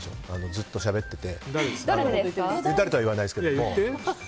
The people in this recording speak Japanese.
ずっとしゃべってて誰とは言わないですけど。